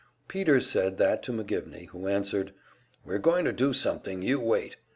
Peter said that to McGivney, who answered: "We're going to do something; you wait!"